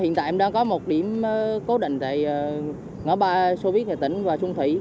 hiện tại em đã có một điểm cố định tại ngõ ba sô viết hà tĩnh và xuân thủy